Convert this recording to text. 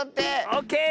オッケー！